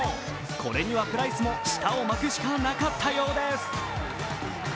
これにはプライスも舌を巻くしかなかったようです。